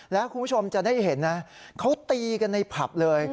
แล้วคุณผู้ชมจะได้เห็นนะเขาตีกันในผับเลย